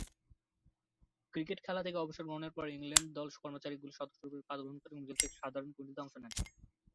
Cricket খেলা থেকে অবসর গ্রহণের পর ইংল্যান্ডের দল নির্বাচকমণ্ডলীর সদস্যরূপে কাজ করেন ও মিডলসেক্স সাধারণ কমিটিতে অংশ নেন।